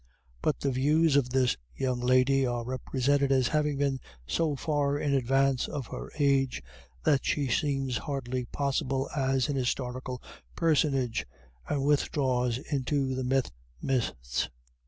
But the views of this young lady are represented as having been so far in advance of her age that she seems hardly possible as an historical personage, and withdraws into the myth mists.